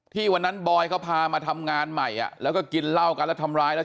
วันนั้นบอยเขาพามาทำงานใหม่แล้วก็กินเหล้ากันแล้วทำร้ายแล้ว